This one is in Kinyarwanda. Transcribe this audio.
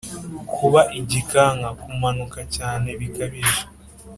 kuba igikanka: kunanuka cyane bikabije.